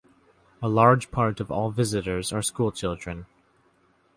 A large part of all visitors are school children.